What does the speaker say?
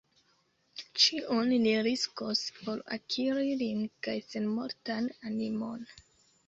Ĉion mi riskos, por akiri lin kaj senmortan animon!